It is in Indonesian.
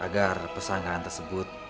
agar pesanggeran tersebut